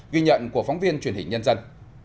ghi nhận của phóng viên truyền hình nhân dân